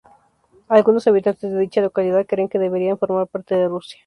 Algunos habitantes de dicha localidad creen que deberían formar parte de Rusia.